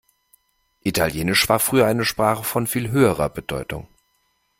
Italienisch war früher eine Sprache von viel höherer Bedeutung.